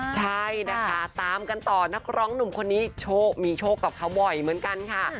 ใช่นะคะตามกันต่อนักร้องหนุ่มคนนี้มีโชคกับเขาบ่อยเหมือนกันค่ะ